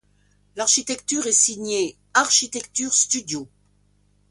L'architecture est signée Architecture Studio.